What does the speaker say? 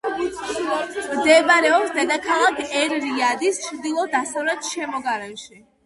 მდებარეობს დედაქალაქ ერ-რიადის ჩრდილო-დასავლეთ შემოგარენში.